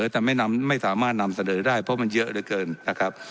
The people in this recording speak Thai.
แต่ไม่สามารถนำเสนอได้เพราะมันเยอะเหลือเกินนะครับ